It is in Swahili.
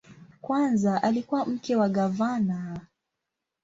Kwanza alikuwa mke wa gavana.